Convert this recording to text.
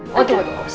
oh tuh tuh